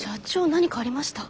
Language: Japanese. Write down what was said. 何かありました？